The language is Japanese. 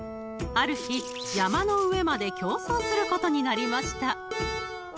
［ある日山の上まで競走することになりました］